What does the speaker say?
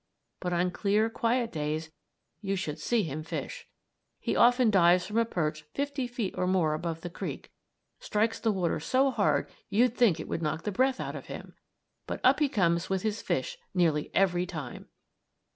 But on clear, quiet days, you should see him fish. He often dives from a perch fifty feet or more above the creek and strikes the water so hard you'd think it would knock the breath out of him. But up he comes with his fish, nearly every time!